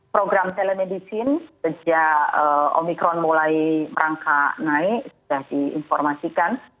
program telemedicine sejak omikron mulai merangkak naik sudah diinformasikan